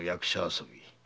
遊び